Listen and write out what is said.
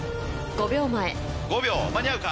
５秒前５秒間に合うか？